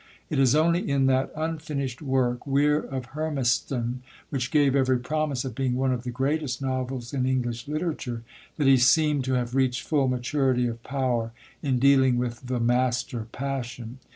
It is only in that unfinished work, Weir of Hermiston, which gave every promise of being one of the greatest novels in English literature, that he seemed to have reached full maturity of power in dealing with the master passion.